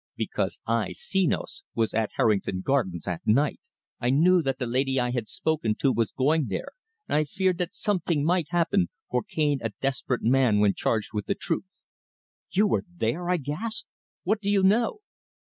"Because I, Senos, was at Harrington Gardens that night. I knew that the laidee I had spoken to was going there, and I feared that some ting might happen, for Cane a desperate man when charged with the truth." "You were there!" I gasped. "What do you know?"